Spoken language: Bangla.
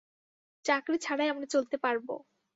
চাকরি ছাড়াই আমরা চলতে পারব।